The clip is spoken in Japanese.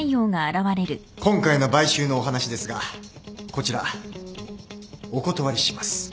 今回の買収のお話ですがこちらお断りします。